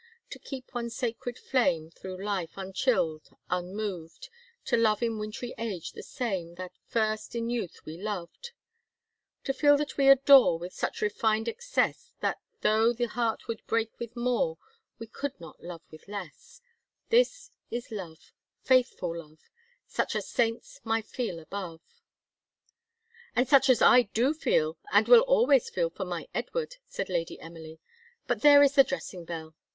To keep one sacred flame Through life, unchill'd, unmov'd; To love in wint'ry age the same That first in youth we loved; To feel that we adore With such refined excess, That though the heart would break with more, We could not love with less: This is love faithful love Such as saints might feel above. "And such as I do feel, and will always feel, for my Edward," said Lady Emily. "But there is the dressing bell!"